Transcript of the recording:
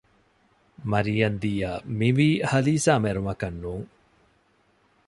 މަރިޔަންދީ އަށް މިވީ ހަލީސާ މެރުމަކަށް ނޫން